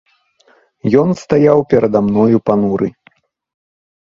Ён стаяў перада мною пануры.